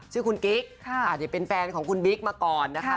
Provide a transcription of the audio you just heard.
ชื่อคุณกิ๊กอาจจะเป็นแฟนของคุณบิ๊กมาก่อนนะคะ